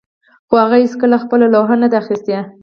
خو هغوی هیڅکله خپله لوحه نه ده اخیستې